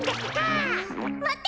あまって！